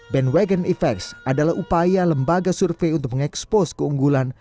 bandwagon effects adalah upaya lembaga survei untuk mengekspos keunggulan